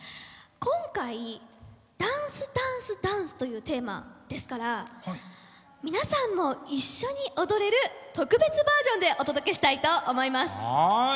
今回「ダンスダンスダンス」というテーマですから皆さんも一緒に踊れる特別バージョンでお届けしたいと思います。